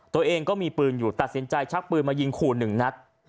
ตัวเองก็มีปืนอยู่ตัดสินใจชักปืนมายิงขู่หนึ่งนัด